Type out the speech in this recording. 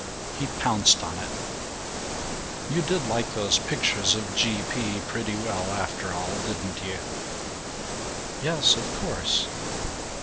He pounced on it: "You did like those pictures of G. P. pretty well, after all, didn't you!" "Yes, of course."